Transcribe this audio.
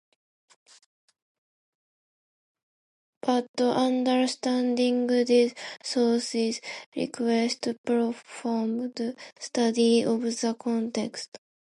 But understanding these sources requires profound study of the context.